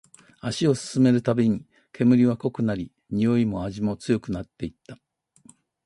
足を進めるたびに、煙は濃くなり、においも味も強くなっていった